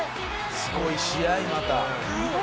「すごい試合また」